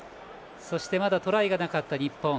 そして、まだトライがなかった日本。